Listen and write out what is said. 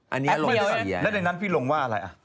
อันนี้ลงสี่อ่ะแอปเดียวแล้วในนั้นพี่ลงว่าอะไรอ่ะ